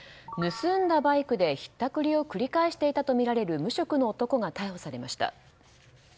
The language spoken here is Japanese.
盗んだバイクで、ひったくりを繰り返していたとみられる無職の男が逮捕されました。